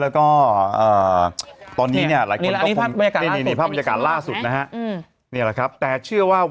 แล้วก็อ่าตอนนี้เนี่ยหลายคนเขารึกถึง